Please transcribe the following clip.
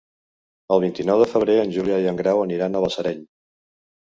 El vint-i-nou de febrer en Julià i en Grau aniran a Balsareny.